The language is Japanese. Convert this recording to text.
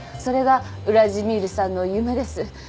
それがウラジミールさんの夢です。